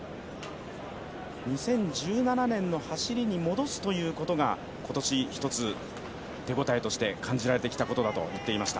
２０１７年の走りに戻すということが今年一つ手応えとして感じられてきたことだと言っていました。